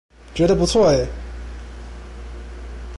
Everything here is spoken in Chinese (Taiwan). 覺得不錯欸